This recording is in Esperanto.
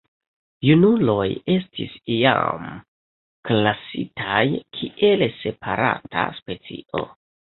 Junuloj estis iam klasitaj kiel separata specio.